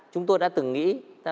chúng tôi đã từng nghĩ